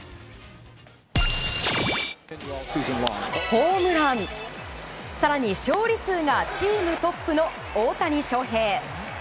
ホームラン、更に勝利数がチームトップの大谷翔平。